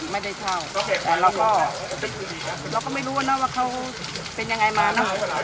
ไม่ได้เช่าแต่เราก็ไม่รู้นะว่าเขาเป็นยังไงมานะ